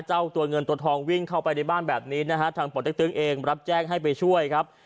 เจ้าตัวเงินตัวทองวิ่งเข้าไปในบ้านแบบนี้นะฮะทางป่อเต๊กตึงเองรับแจ้งให้ไปช่วยครับ